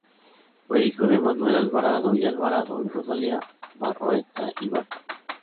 Fue hijo de Manuel Alvarado y Alvarado y Rosalía Barroeta y Baca.